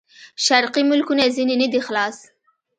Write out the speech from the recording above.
شرقي ملکونه ځنې نه دي خلاص.